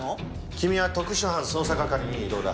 君は特殊犯捜査係に異動だ。